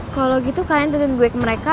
kalau gitu kalian turint gue ke mereka